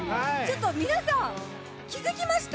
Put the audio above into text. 皆さん気づきました？